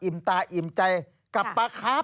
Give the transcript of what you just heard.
อิ่มตาอิ่มใจกับปลาคาร์ฟ